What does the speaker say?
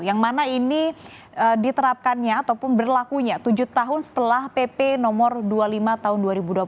yang mana ini diterapkannya ataupun berlakunya tujuh tahun setelah pp nomor dua puluh lima tahun dua ribu dua puluh